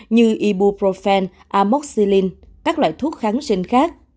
như ibuprofen amoxilin các loại thuốc kháng sinh khác